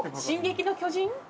『進撃の巨人』？